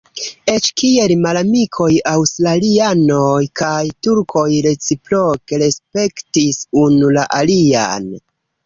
Eĉ kiel malamikoj aŭstralianoj kaj turkoj reciproke respektis unu la alian.